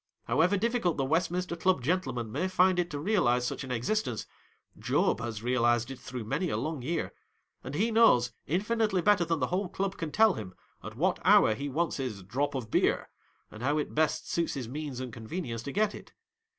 However difficult the Westminster Chili gentlemen may find it to realize such an existence, Job has realized it through many a long year ; and he knows, infinitely better than the whole Club can tell him, at what hour he wants his "drop of beer," and how it best suits his means and convenience to get it.